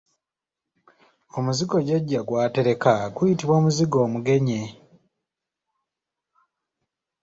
Omuzigo jjajja gw’atereka guyitibwa Omuzigo omugenye.